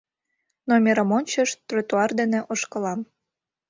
Номерым ончышт, тротуар дене ошкылам.